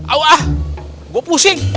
awah gua pusing